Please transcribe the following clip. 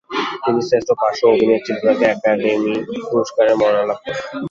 তিনি শ্রেষ্ঠ পার্শ্ব অভিনেত্রী বিভাগে একাডেমি পুরস্কারের মনোনয়ন লাভ করেন।